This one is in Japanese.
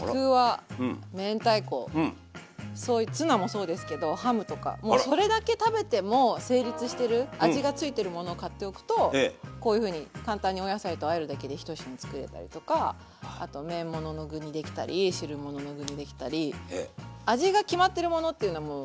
そうだな何かあのもうそれだけ食べても成立してる味がついてるものを買っておくとこういうふうに簡単にお野菜とあえるだけで１品作れたりとかあと麺物の具にできたり汁物の具にできたり味が決まってるものっていうのはもう。